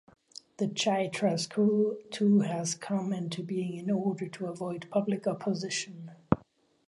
The Chaitra school too has come into being in order to avoid public opposition.